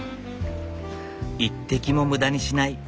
一滴も無駄にしない。